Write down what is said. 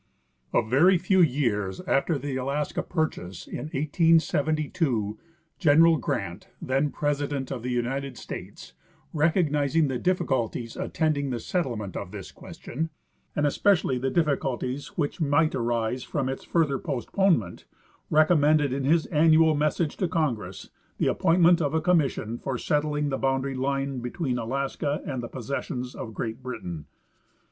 A very few years after the Alaska purchase (in 1872) General Grant, then President of the United States, recognizing the diffi culties attending the settlement of this question, and especially the difficulties which might arise from its further postponement, recommended in his annual message to Congress the appointment of a commission for settling the boundary line between Alaska and the possessions of Great Britain.